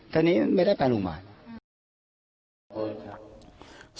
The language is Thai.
ตอนนี้ไม่ได้ไปโรงพยาบาล